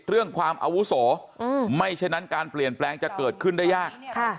เรื่องความอาวุโสไม่ฉะนั้นการเปลี่ยนแปลงจะเกิดขึ้นได้ยาก